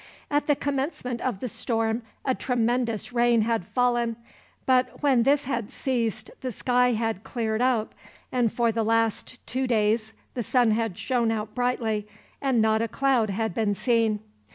At the commencement of the storm a tremendous rain had fallen, but when this had ceased the sky had cleared up, and for the last two days the sun had shone out brightly, and not a cloud had been seen.